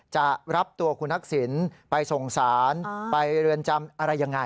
จะรับตัวคุณทักษิณไปส่งสารไปเรือนจำอะไรยังไง